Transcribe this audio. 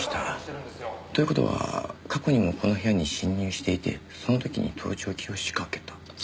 という事は過去にもこの部屋に侵入していてその時に盗聴器を仕掛けたと。